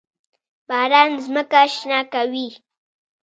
باران ځمکه شنه کوي.